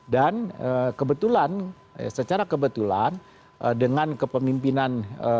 dan kebetulan secara kebetulan dengan kepemimpinan